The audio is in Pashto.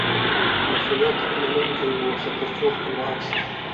مسئولیت منونکی واوسه، تر څو خپلواک سې.